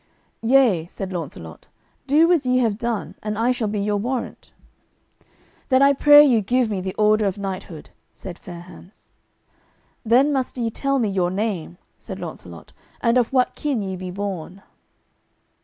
"Yea," said Launcelot, "do as ye have done, and I shall be your warrant." "Then I pray you give me the order of knighthood," said Fair hands. "Then must ye tell me your name," said Launcelot, "and of what kin ye be born."